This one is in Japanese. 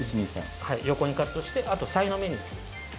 横にカットして、さいの目に。